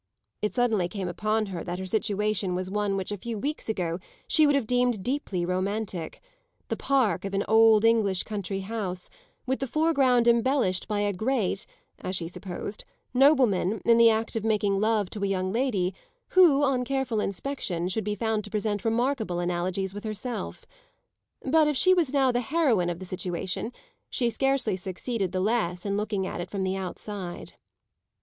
It suddenly came upon her that her situation was one which a few weeks ago she would have deemed deeply romantic: the park of an old English country house, with the foreground embellished by a "great" (as she supposed) nobleman in the act of making love to a young lady who, on careful inspection, should be found to present remarkable analogies with herself. But if she was now the heroine of the situation she succeeded scarcely the less in looking at it from the outside.